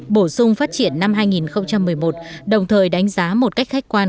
bổ sung phát triển năm hai nghìn một mươi một đồng thời đánh giá một cách khách quan